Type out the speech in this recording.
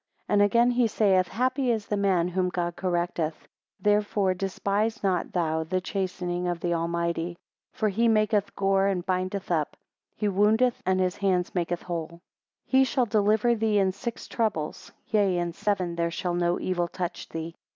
7 And again he saith, Happy is the man whom God correcteth; therefore despise not thou the chastening of the Almighty. 8 For he maketh gore and bindeth up; he woundeth and his hands make whole. 9 He shall deliver thee in six troubles; yea in seven there shall no evil touch thee.